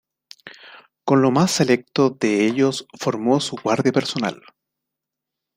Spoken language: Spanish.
Con lo más "selecto" de ellos formó su guardia personal.